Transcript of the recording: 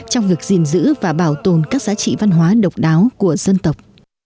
trong việc gìn giữ và bảo tồn các giá trị văn hóa độc đáo của dân tộc